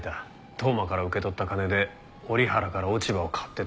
当麻から受け取った金で折原から落ち葉を買ってたってな。